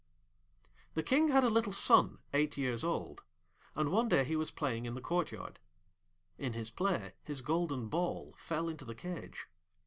The King had a little son eight years old, and one day he was playing in the courtyard. In his play his golden ball fell into the cage.